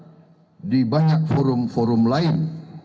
kita bisa berjuang di banyak forum forum lain